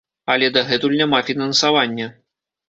Але дагэтуль няма фінансавання.